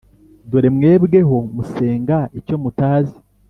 Dore mwebweho musenga icyo mutazi